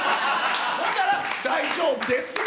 ほんだら、大丈夫ですって。